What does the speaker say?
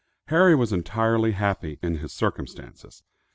Harry was entirely happy; in his circumstances.